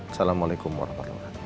assalamualaikum warahmatullahi wabarakatuh